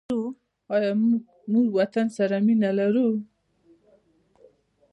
آیا موږ وطن سره مینه لرو؟